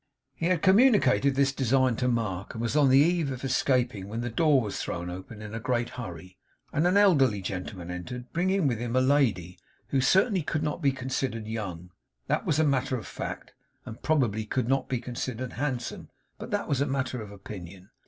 He had communicated this design to Mark, and was on the eve of escaping, when the door was thrown open in a great hurry, and an elderly gentleman entered; bringing with him a lady who certainly could not be considered young that was matter of fact; and probably could not be considered handsome but that was matter of opinion.